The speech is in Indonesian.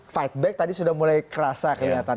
fight back tadi sudah mulai kerasa kelihatan